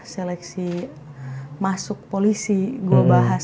seleksi masuk polisi gue bahas